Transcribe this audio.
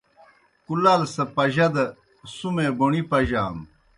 کُلال سہ پجا دہ سُمے بوݨی پجانوْ۔